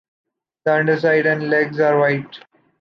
The underside and legs are white.